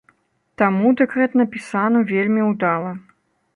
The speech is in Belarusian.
Таму дэкрэт напісаны вельмі ўдала.